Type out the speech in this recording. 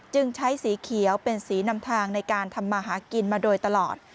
จึงใช้สีเขียวเป็นสีนำทางในการทำมาหากินมาโดยตลอด